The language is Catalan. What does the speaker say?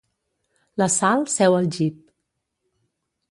La Sal seu al jeep.